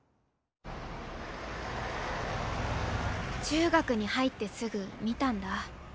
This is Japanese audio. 中学に入ってすぐ見たんだ。